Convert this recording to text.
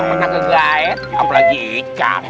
ga pernah ke gaiet apalagi ikan